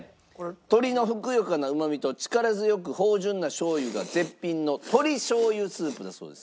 鶏のふくよかなうまみと力強く芳醇なしょう油が絶品の鶏しょう油スープだそうです。